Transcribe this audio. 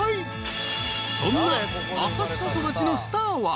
［そんな浅草育ちのスターは］